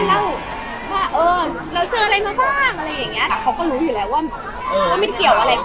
แค่เล่าว่าเราเจออะไรมาบ้างอะไรอย่างนี้เขาก็รู้อยู่แล้วว่าไม่ได้เกี่ยวอะไร